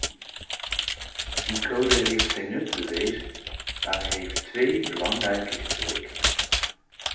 Die code heeft zijn nut bewezen, maar hij heeft twee belangrijke gebreken.